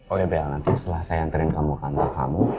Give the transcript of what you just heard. oke bel nanti setelah saya hantarin kamu ke kantor kamu